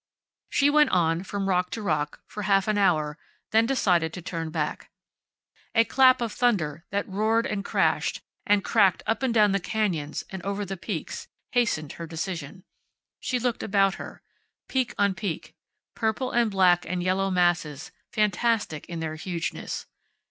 She went on, from rock to rock, for half an hour, then decided to turn back. A clap of thunder, that roared and crashed, and cracked up and down the canyons and over the peaks, hastened her decision. She looked about her. Peak on peak. Purple and black and yellow masses, fantastic in their hugeness.